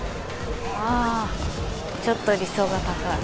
ああちょっと理想が高い。